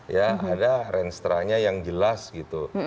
ya ada renstra nya yang jelas gitu